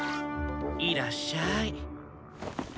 いらっしゃーい。